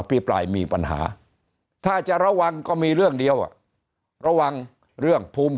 พี่ปลายมีปัญหาถ้าจะระวังก็มีเรื่องเดียวอ่ะระวังเรื่องภูมิ